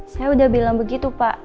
saya udah bilang begitu pak